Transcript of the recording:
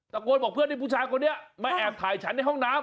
ตะโกนบอกเพื่อนที่ผู้ชายคนนี้มาแอบถ่ายฉันในห้องน้ำ